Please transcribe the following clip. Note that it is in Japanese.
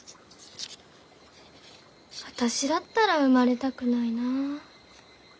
私だったら生まれたくないなあ。